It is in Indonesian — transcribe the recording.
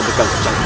aku tidak percaya